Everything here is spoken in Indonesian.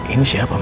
ini siapa ma